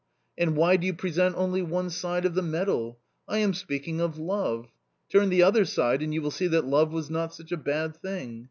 And why do you present only one side of the medal ? I am speak ing of love — turn the other side and you will see that love was not such a bad thing.